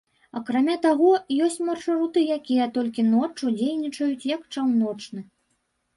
Акрамя таго, ёсць маршруты, якія толькі ноччу дзейнічаюць як чаўночны.